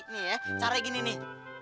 nih ya caranya gini nih